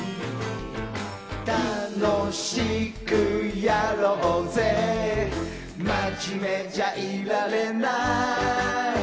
「楽しくやろうぜマジメじゃいられない」